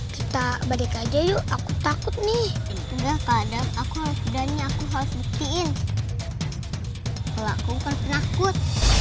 kita balik aja yuk aku takut nih aku harus bikin aku kan penakut